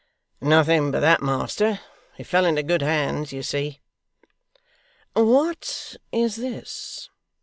'Nothing but that, master. It fell into good hands, you see.' 'What is this!